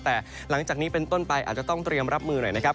แต่หลังจากนี้เป็นต้นไปอาจจะต้องเตรียมรับมือหน่อยนะครับ